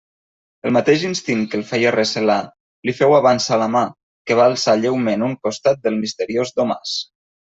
El mateix instint que el feia recelar li féu avançar la mà, que va alçar lleument un costat del misteriós domàs.